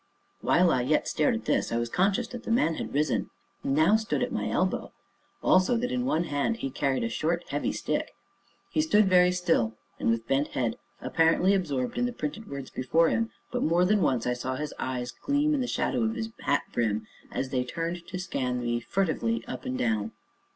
While I yet stared at this, I was conscious that the man had risen, and now stood at my elbow; also, that in one hand his carried a short, heavy stick. He stood very still, and with bent head, apparently absorbed in the printed words before him, but more than once I saw his eyes gleam in the shadow of his hat brim, as they turned to scan me furtively up and down.